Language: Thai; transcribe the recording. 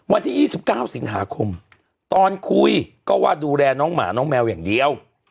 วันที่๒๙สิงหาคมตอนคุยก็ว่าดูแลน้องหมาน้องแมวอย่างเดียว